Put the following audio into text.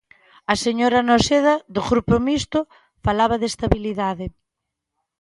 A señora Noceda, do Grupo Mixto, falaba de estabilidade.